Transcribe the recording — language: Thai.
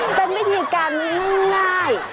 เป็นวิธีการง่าย